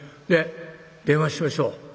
ねっ電話しましょう。